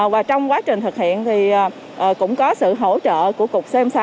và trong quá trình thực hiện thì cũng có sự hỗ trợ của cục cm sáu